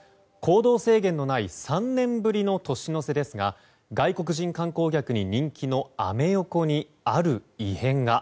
行動制限のない３年ぶりの年の瀬ですが外国人観光客に人気のアメ横にある異変が。